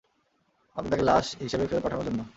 আপনি তাকে লাশ হিসেবে ফেরত পাঠানোর জন্য?